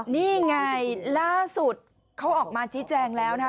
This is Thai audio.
นี่ไงล่าสุดเขาออกมาชี้แจงแล้วนะคะ